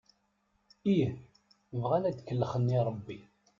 Ih, bɣan ad kellxen i Rebbi.